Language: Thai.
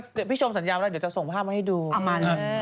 แต่เดี๋ยวพี่ชมสัญญาอะไรเดี๋ยวจะส่งภาพมาให้ดูเอามาเลย